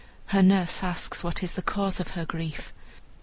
Her nurse asks what is the cause of her grief.